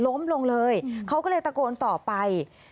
ล้มลงเลยเขาก็เลยตะโกนต่อไป